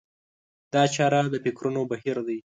دا چاره د فکرونو بهير دی.